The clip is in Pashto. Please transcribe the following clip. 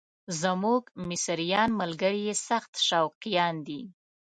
زموږ مصریان ملګري یې سخت شوقیان دي.